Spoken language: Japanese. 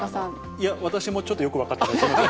いや、私もちょっとよく分かってません。